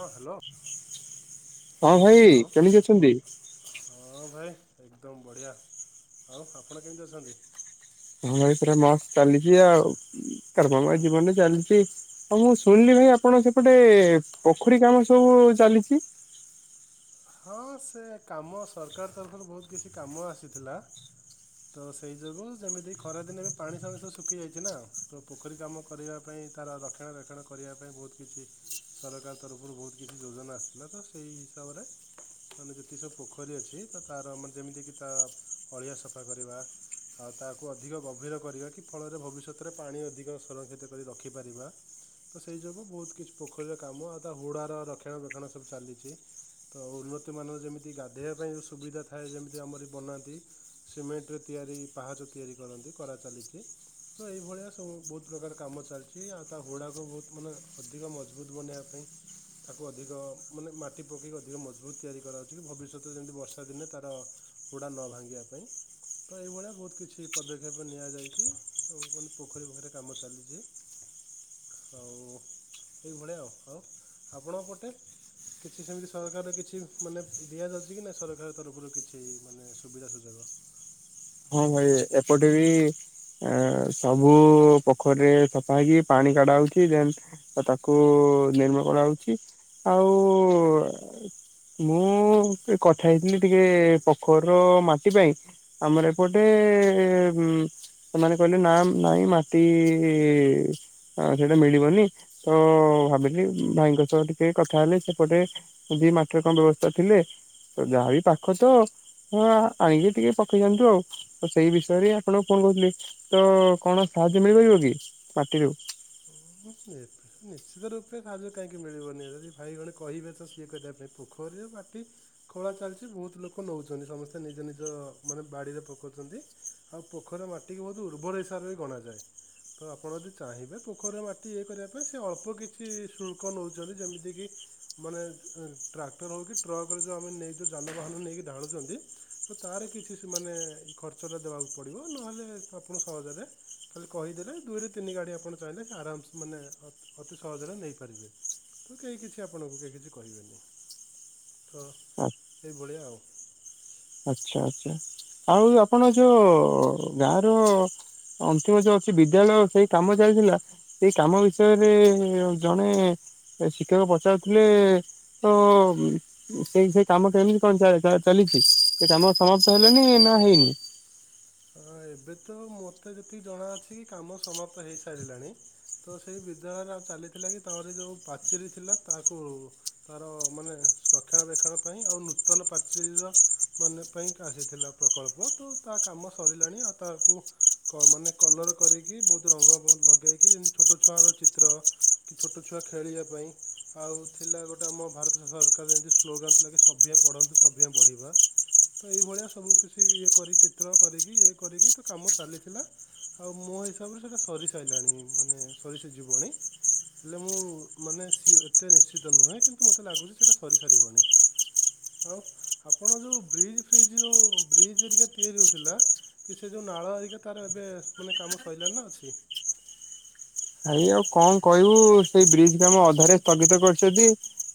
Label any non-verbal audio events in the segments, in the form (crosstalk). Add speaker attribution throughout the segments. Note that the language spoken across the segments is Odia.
Speaker 1: ହଁ ହ୍ୟାଲୋ।
Speaker 2: ହଁ ଭାଇ
Speaker 1: ହ୍ୟାଲୋ
Speaker 2: କେମିତି ଅଛନ୍ତି?
Speaker 1: ହଁ ଭାଇ ଏକଦମ୍ ବଢ଼ିଆ। ଆଉ ଆପଣ କେମିତି ଅଛନ୍ତି?
Speaker 2: ହଁ ଭାଇ ପୁରା ମସ୍ତ୍ ଚାଲିଚି ଆଉ (unintelligible) ଜିବନରେ ଚାଲିଚି। ଉ ମୁଁ ଶୁଣିଲି ଭାଇ ଆପଣଙ୍କ ସେପଟେ ପୋଖରୀ କାମ ସବୁ ଚାଲିଚି।
Speaker 1: ହଁ ସେ କାମ ସରକାର ତରଫରୁ ବହୁତ କିଛି କାମ ଆସିଥିଲା। ତ ସେଇ ଯୋଗୁଁ ଯେମିତି ଖରାଦିନେ ବି ପାଣି (unintelligible) ଶୁଖିଯାଇଚି ନା ତ ପୋଖରୀ କାମ କରିବା ପାଇଁ ତାର ରକ୍ଷଣଭେକ୍ଷଣ କରିବା ପାଇଁ ବହୁତ କିଛି ସରକାର ତରଫରୁ ବହୁତ କିଛି ଯୋଜନା ଆସିଥିଲା ତ ସେଇ ହିସାବରେ ମାନେ ଯେତିକି ସବୁ ପୋଖରୀ ଅଛି ତ ତାର ମାନେ ଯେମିତିକି ତା ଅଳିଆ ସଫା କରିବା ଆଉ ତାହାକୁ ଅଧିକ ଗଭୀର କରିବା କି ଫଳରେ ଭବିଷ୍ୟତରେ ପାଣି ଅଧିକ ସରକ୍ଷିତ କରି ରଖିପାରିବା ତ ସେଇ ଯୋଗୁ ବହୁତ କିଛି ପୋଖରୀର କାମ ଆଉ ତା ହୁଡ଼ାର ରକ୍ଷାଣଭେକ୍ଷଣ ସବୁ ଚାଲିଚି। ତ ଉନ୍ନତିମାନର ଯେମିତି ଗାଧେଇବା ପାଇଁ ସୁବିଧା ଥାଏ। ଯେମିତି ଆମରି ବନାନ୍ତି। ସିମେଣ୍ଟରେ ତିଆରି ପାହାଚ ତିଆରି କରନ୍ତି କରା ଚାଲିଚି। ତ ଏଇଭଳିଆ ସବୁ ବହୁତ ପ୍ରକାର କାମ ଚାଲିଚି। ଆଉ ତା ହୁଡ଼ାକୁ ବହୁତ ମାନେ ଅଧିକ ମଜବୁତ୍ ବନେଇବା ପାଇଁ ତାକୁ ଅଧିକ ମାନେ ମାଟି ପକେଇ ଅଧିକ ମଜବୁତ ତିଆରି କରାଯାଉଚି। କି ଭବିଷ୍ୟତରେ ଯେମିତି ବର୍ଷା ଦିନେ ତାର ହୁଡ଼ା ନ ଭାଙ୍ଗିବା ପାଇଁ ତ ଏଇଭଳିଆ ବୋହୁତ କିଛି ପଦକ୍ଷେପ ନିଆଯାଇକି ଆଉ ମୁଁ କହିନ୍ ପୋଖରୀ ପୋଖରୀରେ କାମ ଚାଲିଚି। ଆଉ ଏଇଭଳିଆ ଆଉ ଆଉ ଆପଣଙ୍କ ପଟେ କିଛି ସେମିତି ସରକାର କିଛି ମାନେ ଦିଆଯାଉଛି କି ନାଇ ସରକାର ତରଫରୁ କିଛି ମାନେ ସୁବିଧା ସୁଯୋଗ।
Speaker 2: ହଁ ଭାଇ ଏପଟେ ବି ଏଁ ସବୁ ପୋଖରୀରେ ସଫା ହେଇକି ପାଣି କାଡା ହୋଉଚି। ଦେନ୍ ଆଁ ତାକୁ (unintelligible) କରାହୋଉଚି। ଆଉ ମୁଁ ଟେ କଥା ହେଇଥିଲି ଟିକେ ପୋଖରୀର ମାଟି ପାଇଁ ଆମର ଏପଟେ ହୁଁ ସେମାନେ କହିଲେ ନା ନାଇଁ ମାଟି (unintelligible) ମିଳିବନି ତ ଭାବିଲି ଭାଇଙ୍କ ସହ ଟିକେ କଥା ହେଲେ ସେପଟେ (unintelligible) ମାଟିରେ କଣ ବ୍ୟବସ୍ଥା ଥିଲେ। (unintelligible) ଯାହା ବି ପାଖ ତ ହଁ ଆଣିକି ଟିକେ ପକେଇ ଯାଆନ୍ତୁ ଆଉ। ତ ସେଇ ବିଷୟରେ ଆପଣଙ୍କୁ ଫୋନ କରୁଥିଲି। ତ କଣ ସାହାଯ୍ୟ ମିଳିପାରିବ କି ମାଟିରୁ।
Speaker 1: (unintelligible) ନିଶ୍ଚିତ ରୂପେ ସାହାଯ୍ୟ କାହିଁକି ମିଳିବନି। ଯଦି ଭାଇଗଣେ କହିବେ ତ (unintelligible) ପୋଖରୀରୁ ମାଟି ଖୋଳା ଚାଲିଛି ବହୁତ ଲୋକ ନେଉଛନ୍ତି ସମସ୍ତେ ନିଜ ନିଜ ମାନେ ବାଡ଼ିରେ ପକାଉଛନ୍ତି। ଆଉ ପୋଖରୀ ମାଟିକୁ ବହୁତ ଉର୍ବର ହିସାବରେ ବି ଗଣାାଯାଏ ତ ଆପଣ ଯଦି ଚାହିଁବେ ପୋଖରୀ ମାଟି ଇଏ କରିବା ପାଇଁ ସେ ଅଳ୍ପ କିଛି ଶୁଳ୍କ ନେଉଛନ୍ତି ଯେମିତିକି ମାନେ ଟ୍ରାକ୍ଟର ହେଉ କି ଟ୍ରକରେ ଯେଉଁ ଆମେ ନେଇ ଯେଉଁ ଯାନବାହାନ ନେଇକି ଢାଳୁଛନ୍ତି ତ ତାର କିଛି ସେମାନେ ଖର୍ଚ୍ଚଟା ଦେବାକୁ ପଡ଼ିବ ନହେଲେ ଆପଣ ସହଜରେ ଖାଲି କହିଦେଲେ ଦୁଇରୁ ତିନି ଗାଡ଼ି ଆପଣ ଚାହିଁଲେ ଆରାମ ସେ ମାନେ ଅତି ସହଜରେ ନେଇପାରିବେ। ତ କେହି କିଛି ଆପଣଙ୍କୁ କେହି କିଛି କହିବେନି ତ ସେଇଭଳିଆ ଆଉ
Speaker 2: ଆଛା ଆଛା ଆଉ ଆପଣ ଯୋଉ ଗାଁ ର ଅନ୍ତିମ ଯୋଉ ଅଛି ବିଦ୍ୟାଳୟ ସେଇ କାମ ଚାଲିଥିଲା ସେଇ କାମ ବିଷୟରେ ଜଣେ ଶିକ୍ଷକ ପଚାରୁଥିଲେ ତ ସେଇ ସେଇ କାମଟ କେମିତି କଣ ଚାଲିଛି? ସେ କାମ ସମାପ୍ତ ହେଲେଣିି ନା ହେଇନି?
Speaker 1: ହଁ ଏବେ ତ ମତେ ଯେତିକି ଜଣାଅଛି କି କାମ ସମାପ୍ତ ହେଇ ସାରିଲାଣି ତ ସେଇ ବିଦ୍ୟାଳୟରେ ଆଉ ଚାଲିଥିଲା କି ତାରି ଯେଉଁ ପାଚେରୀ ଥିଲା ତାକୁ ତାର ମାନେ ରକ୍ଷଣାବେକ୍ଷଣ ପାଇଁ ଆଉ ନୂତନ ପାଚେରୀର ମାନେ ପାଇଁ ଆସିଥିଲା ପ୍ରକଳ୍ପ ତ ତା କାମ ସରିଲାଣି ଆଉ ତାକୁ ମାନେ କଲର୍ କରିକି ବହୁତ ରଙ୍ଗ ଲଗେଇକି ଯେମିତି ଛୋଟ ଛୁଆଁର ଚିତ୍ର କି ଛୋଟ ଛୁଆ ଖେଳିବା ପାଇଁ ଆଉ ଥିଲା ଗୋଟେ ଆମ ଭାରତ ସରକାର ଯେମିତି ସ୍ଲୋଗାନ ଥିଲା କି ସଭିଆ ପଢ଼ନ୍ତୁ ସଭିଆ ଵଢ଼ିବା ତ ଏଇଭଳିଆ ସବୁ କିଛି ଇଏ କରି ଚିତ୍ର କରିକି ଇଏ କରିକି ତ କାମ ଚାଲିଥିଲା ଆଉ ମୋ ହିସାବରେ ସେଇଟା ସରିସାରିଲାଣି ମାନେ ସରିଷି ଯିବଣି ହେଲେ ମୁଁ ମାନେ ସି ଏତେ ନିଶ୍ଚିତ ନୁହେଁ କିନ୍ତୁ ମୋତେ ଲାଗୁଛି ସେଇଟା ସରି ସାରିବନି। ଆଉ ଆପଣ ଯେଉଁ ବ୍ରିଜ୍ ଫ୍ରିଜ୍ ଯେଉଁ ବ୍ରିଜ୍ ଯରିକା ତିଆରି ହେଉଛି ଥିଲା କି ସେ ଯେଉଁ ନାଳ ଆରିକା ତାର ଏବେ ମାନେ କାମ ସରିଲାନି ନା ଅଛି?
Speaker 2: ଭାଇ ଆଉ କଣ କହିବୁ ସେଇ ବ୍ରିଜ କାମ ଅଧାରେ ସ୍ଥଗିତ କରିଛନ୍ତି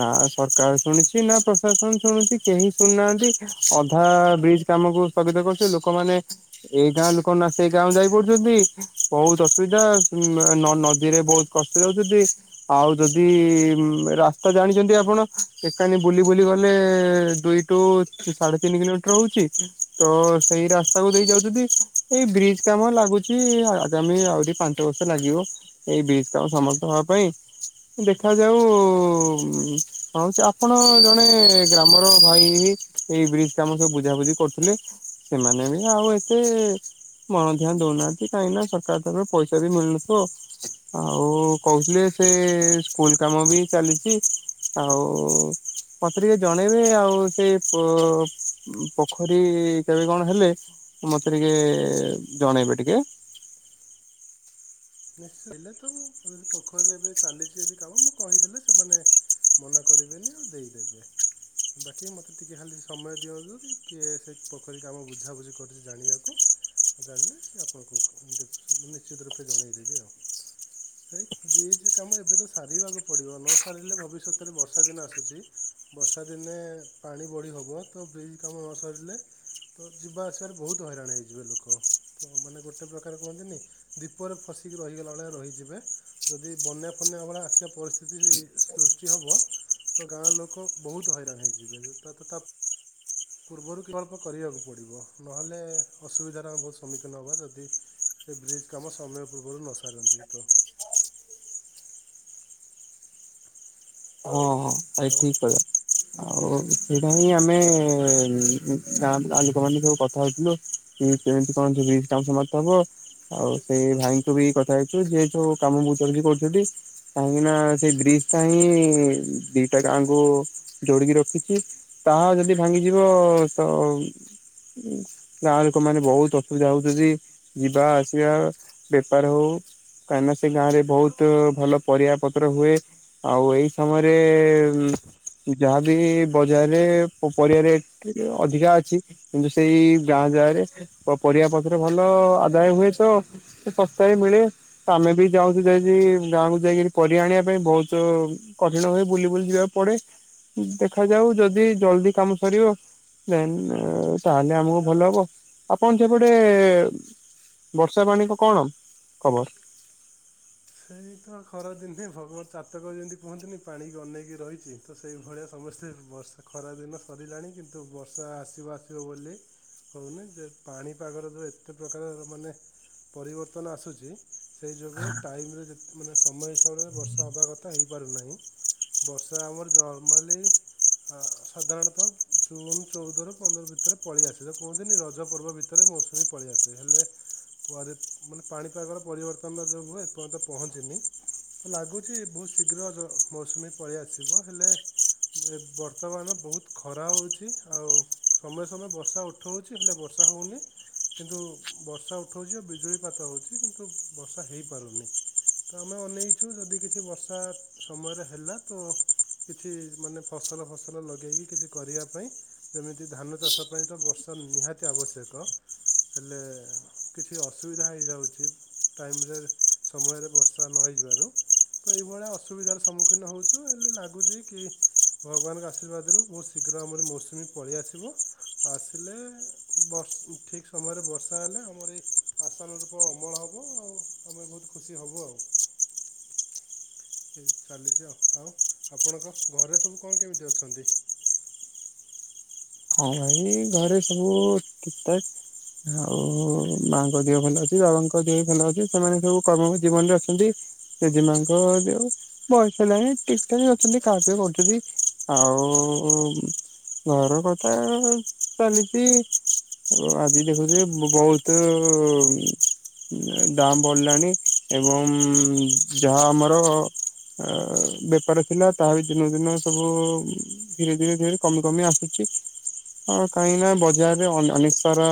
Speaker 2: ନା ସରକାର ଶୁଣିଛି ନା ପ୍ରଶାସନ ଶୁଣୁଛି କେହି ଶୁଣିୁନାହାନ୍ତି ଅଧା ବ୍ରିଜ କାମକୁ ସ୍ଥଗିତ କରୁଛି ଲୋକମାନେ ଏଇ ଗାଁ ଲୋକ ନା ସେ ଗାଁ ଯାଇପଡୁଛନ୍ତି ବହୁତ ଅସୁବିଧା ନଦୀରେ ବହୁତ କଷ୍ଟ ଯାଉଛନ୍ତିି ଆଉ ଯଦି ରାସ୍ତା ଜାଣିଛନ୍ତି ଆପଣ ଏକାନି ବୁଲି ବୁଲି ଗଲେ ଦୁଇ ଟୁ ସାଢେ ତିନି କିଲୋମିଟର ହଉଛି ତ ସେଇ ରାସ୍ତାକୁ ଦେଇ ଯାଉଛନ୍ତି। ଏଇ ବ୍ରିଜ କାମ ଲାଗୁଛି ଆଗାମୀ ଆହୁରି ପାଞ୍ଚ ବର୍ଷ ଲାଗିବ। ଏଇ ବ୍ରୀଜ୍ କଣ ସମର୍ଥ ହବା ପାଇଁ ଦେଖାଯାଉ କଣ ହଉଛି ଆପଣ ଜଣେ ଗ୍ରାମର ଭାଇ ହେଇ ଏଇ ବ୍ରିଜ କାମ ସବୁ ବୁଝାବୁଝି କରୁଥିଲେ ସେମାନେ ବି ଆଉ ଏତେ ମନ ଧ୍ୟାନ ଦଉନାହାନ୍ତି କାହିଁକି ନା ସରକାର ତରଫରେ ପଇସା ବି ମିଳୁନଥିବ ଆଉ କହୁଥିଲେ ସେ ସ୍କୁଲ କାମ ବି ଚାଲିଛି ଆଉ ମତେ ଟିକେ ଜଣେଇବେ ଆଉ ସେଇ ପୋଖରୀ ଟାବି କଣ ହେଲେ ମତେ ଟିକେ ଜଣେଇବେ ଟିକେ
Speaker 1: ହେଲେ ତ ମୁ ଯଦି ପୋଖରୀରେ ଏବେ ଚାଲିଛି ଯଦି କାମ ମୁଁ କହିଦେଲେ ସେମାନେ ମନା କରିବେନି ଆଉ ଦେଇଦେବେ। ବାକି ମୋତେ ଟିକିଏ ଖାଲି ସମୟ ଦିଅନ୍ତୁ କି କିଏ ସେ ପୋଖରୀ କାମ ବୁଝାବୁଝି କରୁଛି ଜାଣିବାକୁ ଜାଣିଲେ ସେ ଆପଣଙ୍କୁ ନିଶ୍ଚିତ ରୂପେ ଜଣେଇଦେବି ଆଉ ସେଇ ବ୍ରିଜ୍ କାମ ଏବେ ତ ସାରିବାକୁ ପଡ଼ିବ ନସାରିଲେ ଭବିଷ୍ୟତରେ ବର୍ଷା ଦିନ ଆସୁଛି ବର୍ଷା ଦିନେ ପାଣି ବଢ଼ି ହେବ ତ ବ୍ରିଜ୍ କାମ ନ ସରିଲେ ତ ଯିବା ଆସିବାରେ ବହୁତ ହଇରାଣ ହେଇଯିବେ ଲୋକ ତ ମାନେ ଗୋଟେ ପ୍ରକାର କୁହନ୍ତିନି ଦୀପରେ ଖସିକି ରହିଗଲାବେେଳେ ରହିଯିବେ ଯଦି ବନ୍ୟା ଫନ୍ୟା ଭଳିଆ ଆସିବା ପରିସ୍ଥିତି ସୃଷ୍ଟି ହେବ ତ ଗାଁ ଲୋକ ବହୁତ ହଇରାଣ ହେଇଯିବେ ତ ତା ତା ତା
Speaker 2: (inaudible)
Speaker 1: ପୂର୍ବରୁ କି ଅଳ୍ପ କରିବାକୁ ପଡ଼ିବ। ନହେଲେ ଅସୁବିଧାର ଆମେ ବହୁତ ସମ୍ମୁଖୀନ ହବା ଯଦି ସେ ବ୍ରିଜ୍ କାମ ସମୟ ପୂର୍ବୁରୁ ନ ସାରନ୍ତି ତ।
Speaker 2: ହଁ ହଁ ଭାଇ
Speaker 1: ଆଉ
Speaker 2: ଠିକ କହିଲ। ଆଉ ସେଇଟା ହିଁ ଆମେ ଏଁ ଗାଁ ଗାଁ (unintelligible) ମାନେ ସବୁ କଥା ହଉଥିଲୁ। କେମିତି କଣ ସେ ବ୍ରିଜ୍ ଟା ସମାପ୍ତ ହବ। ଆଉ ସେଇ ଭାଇ ଙ୍କୁ ବି କଥା ହେଇଛୁ ଯି ଯୋଉ କାମ ବହୁତ ଜଲଦି କରୁଛନ୍ତି। କାହିଁକି ନା ସେଇ ବ୍ରିଜ୍ ଟା ହିଁ ଟା ଗାଙ୍କୁୁ ଯୋଡିକି ରଖିଛି ତାହା ଯଦି ଭାଙ୍ଗିଯିବ ତ ହୁଁ ଗାଁ ଲୋକ ମାନେ ବହୁତ ଅସୁବିଧା ହଉଛନ୍ତି। ଯିବା ଆସିବା ବେପାର ହଉ କାହିଁକିନା ସେ ଗାଁ ରେ ବହୁତ ଭଲ ପରିବା ପତ୍ର ହୁଏ। ଆଉ ଏଇ ସମୟରେ ଯାହାବି ବଜାରରେ ପରିବା ରେଟ ଅଧିକା ଅଛି। କିନ୍ତୁ ସେଇ ଗାଁ ଯାଁରେ ପରିବା ପତ୍ର ଭଲ ଆଦାୟ ହୁଏ ତ ଶସ୍ତା ବି ମିଳେ। ଆମେ ବି ଯାଉଛୁ ଯାଇି ଗାଁକୁ ଯାଇକିରି ପର ଆଣିବା ପାଇଁ ବହୁତ କଠିନ ହୁଏ ବୁଲି ବୁଲି ଯିବାକୁ। ପଡେ ଦେଖାଯାଉ ଯଦି ଜଲଦି କାମ ସରିବ ଦେନ୍ ତାହେଲେ ଆମକୁ ଭଲ ହବ। ଆପଣ ସେପଟେ ବର୍ଷା ପାଣ କ କଣ ଖବର?
Speaker 1: ସେଇ ତ ଖରାଦିନ ନହିଁ ଭଗବଦ ଜାତକ ଯେମିତି କୁହନ୍ତିନି ପାଣିକ ଅନେଇକି ରହିଛି। ତ ସେଇଭଳିଆ ସମସ୍ତେ ବର୍ଷା ଖରାଦିନ ସରିଲାଣି କିନ୍ତୁ ବର୍ଷା ଆସିବ ଆସିବ ବୋଲି ହଉନି ଯେ ପାଣିପାଗର ଯେଉ ଏତେ ପ୍ରକାର ମାନେ ପରିବର୍ତ୍ତନ ଆସୁଛି ସେହି ଯୋଗୁଁ ଟାଇମରେ ଯେ ମାନେ ସମୟ ହିସାବରେ ବର୍ଷା ହେବା କଥା ହେଇପାରୁନାହିଁ। ବର୍ଷା ଆମର ନର୍ମାଲି ସାଧାରଣତଃ ଜୁନ ଚଉଦରୁ ପନ୍ଦର ଭିତରେ ପଳେଇଆସେ। ତ କୁହନ୍ତିନି ରଜ ପର୍ବ ଭିତରେ ମୌସୁମୀ ପଳେଇଆସେ। ହେଲେ ମାନେ ପାଣିପାଗର ପରିବର୍ତ୍ତନ ଯେଉଁ ହୁଏ ଏପର୍ଯ୍ୟନ୍ତ ପହଞ୍ଚିନି। ତ ଲାଗୁଛି ବହୁତ ଶୀଘ୍ର ମୌସୁମୀ ପଳେଇ ଆସିବ। ହେଲେ ଏ ବର୍ତ୍ତମାନ ବହୁତ ଖରା ହେଉଛି। ଆଉ ସମୟ ସମୟ ବର୍ଷା ଉଠଉଛି ହେଲେ ବର୍ଷା ହେଉନି। କିନ୍ତୁ ବର୍ଷା ଉଠାଉଛି ଆଉ ବିଜୁଳିପାତ ହେଉଛି କିନ୍ତୁ ବର୍ଷା ହେଇପାରୁନି। ତ ଆମେ ଅନେଇଛୁ ଯଦି କିଛି ବର୍ଷା ସମୟରେ ହେଲା ତ କିଛି ମାନେ ଫସଲ ଫସଲ ଲଗେଇକି କିଛି କରିବା ପାଇଁ ଯେମିତି ଧାନ ଚାଷ ପାଇଁ ତ ବର୍ଷ ନିହାତି ଆବଶ୍ୟକ। ହେଲେ କିଛି ଅସୁବିଧା ହେଇଯାଉଛି ଟାଇମ ରେ- ସମୟରେ ବର୍ଷା ନହଇଯିବାରୁ ତ ଏଇଭଳିଆ ଅସୁବିଧାର ସମ୍ମୁଖୀନ ହଉଛୁ ହେଲେ ଲାଗୁଛି କି ଭଗବାନଙ୍କ ଆଶୀର୍ବାଦରୁ ବହୁତ ଶୀଘ୍ର ଆମର ମୌସୁମୀ ପଳେଇଆସିବ। ଆସିଲେ ବର୍ଷ ଠିକ୍ ସମୟରେ ବର୍ଷା ହେଲେ ଆମର ଏଇ, ଆଶାନୁରୂପ ଅମଳ ହବ ଆଉ ଆମେ ବହୁତ ଖୁସି ହବୁ ଆଉ। ଏଇ ଚାଲିଛି ଆଉ, ଆଉ ଆପଣଙ୍କ ଘରେ ସବୁ କଣ କେମିତି ଅଛନ୍ତି?
Speaker 2: ହଁ ଭାଇ ଘରେ ସବୁ ଠିକଠାକ୍, ହଉ ମାଆଙ୍କ ଦେହ ଭଲ ଅଛି ବାବାଙ୍କ ଦେହ ବି ଭଲ ଅଛି ସେମାନେ ସବୁ କର୍ମମୟ ଜୀବନ ରେ ଅଛନ୍ତି। ଜେଜେମାଆଙ୍କ ଦେହ ବୟସ ହେଲାଣି ଠିକ୍ ଠାକ୍ ଅଛନ୍ତି ଖାଆ ପିଅ କରୁଛନ୍ତି। ଆଉ ଘର କଥା ଚାଲିଛି, ଆଉ ଆଜି ଦେଖୁଥିବେ ବହୁତ (unintelligible) ଦାମ୍ ବଢିଲାଣି ଏବଂ ଯାହା ଆମର ଅ ବେପାର ଥିଲା ତାହା ବି ଦିନକୁ ଦିନକୁ ସବୁ ଧୀରେ ଧୀରେ ଧୀରେ କମି କମି ଆସୁଛି ଅ କାହିଁକି ନା ବଜାରରେ ଅନ ଅନେକ ସାରା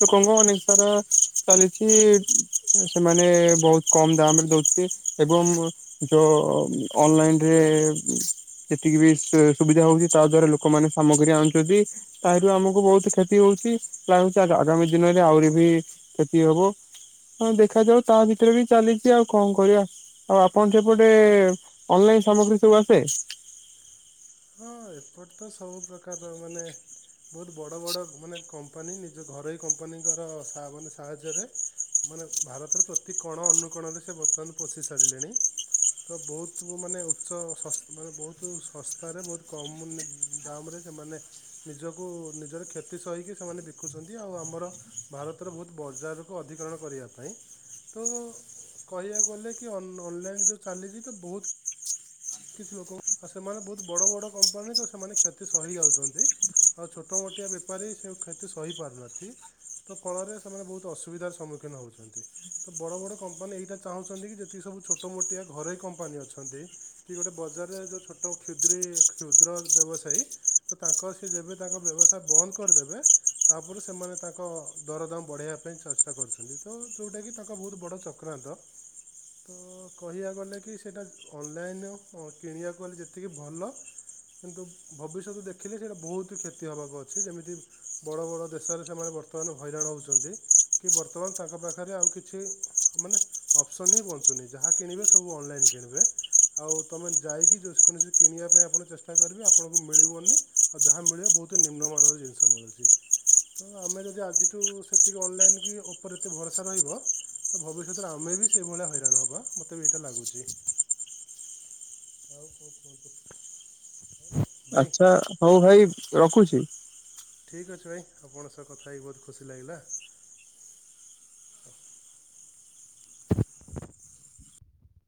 Speaker 2: ଲୋକଙ୍କ ଅନେକ ସାରା ଚାଲିଛି। ସେମାନେ ବହୁତ କମ ଦାମରେ ଦଉଛନ୍ତି ଏବଂ ଯଉ ଅନଲାଇନ ରେ ଯେତିକି ବି ସୁ ସୁବିଧା ହଉଛି ତା ଦ୍ଵାରା ଲୋକମାନେ ସାମଗ୍ରୀ ଆଣୁଛନ୍ତି। ତାହିରୁ ଆମକୁ ବହୁତ କ୍ଷତି ହଉଛି ଲାଗ ଚି ଆଗା ଆଗାମୀ ଦିନରେ ଆହୁରି ବି କ୍ଷତି ହବ। ହଁ ଦେଖାଯାଉ ତା ଭିତରେ ବି ଚାଲିଛି ଆଉ କଣ କରିବା! ଆଉ ଆପଣଙ୍କ ସେପଟେ ଅନଲାଇନ ସାମଗ୍ରୀ ସବୁ ଆସେ।
Speaker 1: ହଁ ଏପଟେ ତ ସବୁ ପ୍ରକାରର ମାନେ ବହୁତ ବଡ଼ ବଡ଼ ମାନେ କମ୍ପାନୀ ନିଜ ଘରୋଇ କମ୍ପାନୀଙ୍କର ସା ମାନେ ସାହାଯ୍ୟରେ ମାନେ ଭାରତର ପ୍ରତି କୋଣ ଅନୁକୋଣରେ ସେ ବର୍ତ୍ତମାନ ପଶି ସାରିଲେଣି। ତ ବହୁତ ମାନେ ଉଚ୍ଚ ଶଶ୍ ମାନେ ବହୁତ ଶଶ୍ ତାରେ ବହୁତ କମ୍ ନେ ଦାମରେ ସେମାନେ ନିଜକୁ ନିଜର କ୍ଷତି ସହିକି ସେମାନେ ବିକୁଛନ୍ତି ଆଉ ଆମର ଭାରତର ବହୁତ ବର୍ଜାରକୁ ଅଧିକରଣ କରିବା ପାଇଁ। ତ କହିବାକୁ ଗଲେ କି ଅନ୍ ଅନଲାଇନ୍ ଯୋଉ ଚାଲିଛି ତ ବହୁତ କିଛି ଲୋକ ଆ ସେମାନେ ବହୁତ ବଡ ବଡ କମ୍ପାନୀ ତ ସେମାନେ କ୍ଷତି ସହିଯାଉଛନ୍ତି। ହଁ ଛୋଟ ମୋଟିଆ ବେପାରୀ ସେ କ୍ଷତି ସହି ପାରୁନାନ୍ତି। ତ ଫଳରେ ସେମାନେ ବହୁତ ଅସୁବିଧାର ସମ୍ମୁଖୀନ ହଉଛନ୍ତି। ତ ବଡ଼ ବଡ଼ କମ୍ପାନୀ ଏଇଟା ଚାହୁଁଛନ୍ତି କି ଯେତିକି ସବୁ ଛୋଟମୋଟିଆ ଘରୋଇ କମ୍ପାନୀ ଅଛନ୍ତି କି ଗୋଟେ ବଜାରରେ ଯୋଉ ଛୋଟ କ୍ଷୁଦ୍ରି କ୍ଷୁଦ୍ର ବ୍ୟବସାୟୀ ତ ତାଙ୍କର ସେ ଯେବେ ତାଙ୍କ ବ୍ୟବସାୟ ବନ୍ଦ କରିଦେବେ। ତାପରେ ସେମାନେ ତାଙ୍କ ଦରଦାମ ବଢ଼େଇବା ପାଇଁ ଚେଷ୍ଟା କରୁଛନ୍ତି ତ ଯୋଉଟାକି ତାଙ୍କ ବହୁତ ବଡ଼ ଚ କ୍ରାନ୍ତ ତ କହିବାକୁ ଗଲେ କି ସେଇଟା ଅନଲାଇନ ଅହ କିଣିବାକୁ ଗଲେ ଯେତି ଯେତିକି ଭଲ କିନ୍ତୁ ଭବିଷ୍ୟତ ଦେଖିଲେ ସେଇଟା ବହୁତ କ୍ଷତି ହବାକୁ ଅଛି ଯେମିତି ବଡ଼ ବଡ଼ ଦେଶରେ ସେମାନେ ବର୍ତ୍ତମାନ ହଇରାଣ ହଉଛନ୍ତି କି ବର୍ତ୍ତମାନ ତାଙ୍କ ପାଖରେ ଆଉ କିଛି ମାନେ ଅପସନ ହିଁ ବଞ୍ଚୁନି ଯାହା କିଣିବେ ସବୁ ଅନଲାଇନ କିଣିବେ। ଆଉ ତମେ ଯାଇକି ଯେସକୌଣସି କିଣିବା ପାଇଁ ଆପଣ ଚେଷ୍ଟା କରିବେ ଆପଣଙ୍କୁ ମିଳିବନି। ଆଉ ଯାହା ମିଳିବ ବହୁତ ନିମ୍ନମାନର ଜିନିଷ ମିଳୁଛି। ତ ଆମେ ଯଦି ଆଜିଠୁ ସେତିକି ଅନଲାଇନ୍ କି ଉପର ଏତେ ଭରସା ରହିବ। ତ ଭବିଷ୍ୟତରେ ଆମେ ବି ସେଇଭଳିଆ ହଇରାଣ ହବା ମୋତେ ବି ଏଇଟା ଲାଗୁଛି। ଆଉ କଣ କୁହନ୍ତୁ।
Speaker 2: ଆଚ୍ଛା ହଉ ଭାଇ ରଖୁଛି।
Speaker 1: ଠିକ୍ ଅଛି ଭାଇ ଆପଣଙ୍କ ସହ କଥା ହେଇକି ବହୁତ ଖୁସି ଲାଗିଲା।